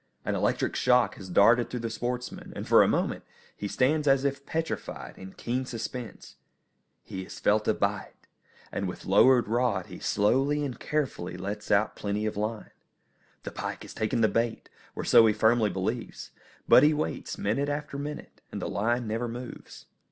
An electric shock has darted through the sportsman, and for a moment he stands as if petrified, in keen suspense. He has felt a bite, and with lowered rod he slowly and carefully lets out plenty of line. The pike has taken the bait, or so he firmly believes; but he waits minute after minute, and the line never moves.